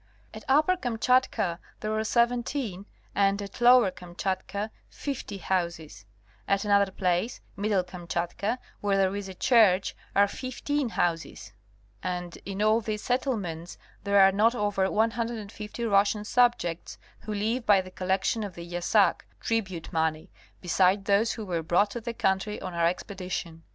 At Upper Kamchatka there are seventeen and at Lower Kam chatka fifty houses, at another place | Middle Kamchatka] where there is a church are fifteen houses, and in all these settlements there are not over 150 Russian subjects, who live by the collec tion of the yassak [tribute money |, beside those who were brought to the country on our expedition.